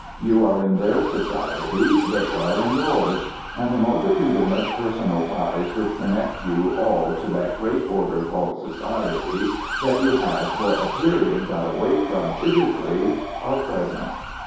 You are in their society, they are in yours; and the multitudinous personal ties which connect you all to that great order called society that you have for a period got away from physically are present.